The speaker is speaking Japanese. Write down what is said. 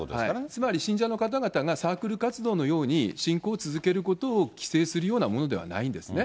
つまり、信者の方々がサークル活動のように信仰を続けることを規制するようなものではないんですね。